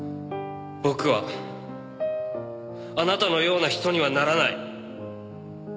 僕はあなたのような人にはならない。